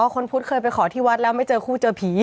คนพุทธเคยไปขอที่วัดแล้วไม่เจอคู่เจอผี